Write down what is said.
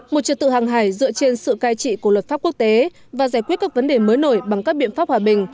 một trật tự hàng hải dựa trên sự cai trị của luật pháp quốc tế và giải quyết các vấn đề mới nổi bằng các biện pháp hòa bình